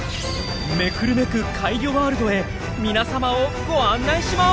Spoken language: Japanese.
目くるめく怪魚ワールドへ皆様をご案内します！